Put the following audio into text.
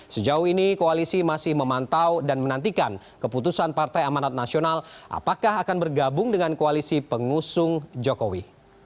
sejauh ini koalisi masih memantau dan menantikan keputusan partai amanat nasional apakah akan bergabung dengan koalisi pengusung jokowi